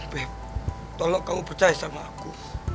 beh tolong kamu percaya sama aku